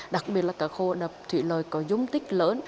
đặc biệt là các hồ đập thủy lợi có dung tích lớn